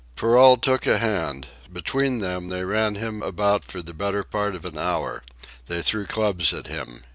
Perrault took a hand. Between them they ran him about for the better part of an hour. They threw clubs at him.